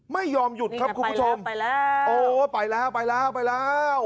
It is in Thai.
ไม่ยอมหยุดครับคุณผู้ชมไปแล้วโอ้ไปแล้วไปแล้วไปแล้ว